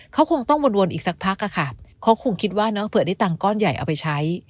เขาคงต้องวนอีกสักพักอะค่ะเขาคงคิดว่าเนอะเผื่อได้ตังค์ก้อนใหญ่เอาไปใช้